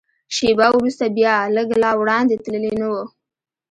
شېبه وروسته بیا، لږ لا وړاندې تللي نه و.